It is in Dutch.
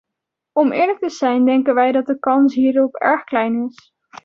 Om eerlijk te zijn denken wij dat de kans hierop erg klein is.